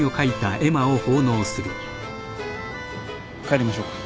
帰りましょうか。